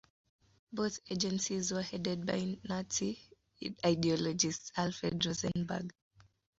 Both agencies were headed by Nazi ideologist Alfred Rosenberg.